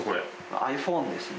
ｉＰｈｏｎｅですね。